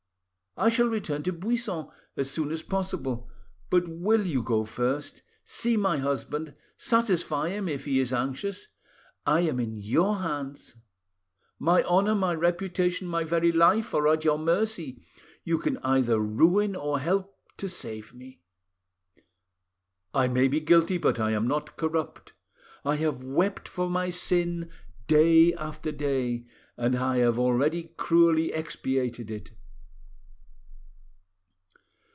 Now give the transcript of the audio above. I shall return to Buisson as soon as possible, but will you go first, see my husband, satisfy him if he is anxious? I am in your hands; my honour, my reputation, my very life, are at your mercy; you can either ruin or help to save me. I may be guilty, but I am not corrupt. I have wept for my sin day after day, and I have already cruelly expiated it.